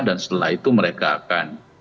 setelah itu mereka akan